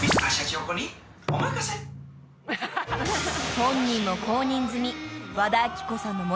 ［本人も公認済み］